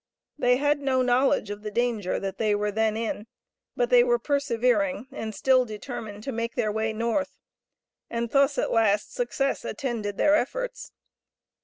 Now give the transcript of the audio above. They had no knowledge of the danger that they were then in, but they were persevering, and still determined to make their way North, and thus, at last, success attended their efforts.